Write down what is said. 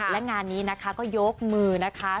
และงานนี้นะคะก็ยกมือนะคะ